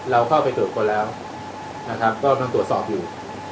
เราเข้าไปตรวจคนแล้วนะครับกำลังตรวจสอบอยู่